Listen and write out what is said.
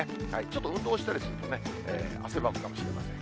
ちょっと運動したりするとね、汗ばむかもしれません。